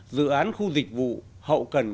dự án khu dịch vụ hậu cần